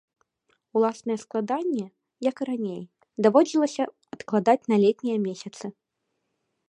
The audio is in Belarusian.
Уласныя складанні, як і раней, даводзілася адкладаць на летнія месяцы.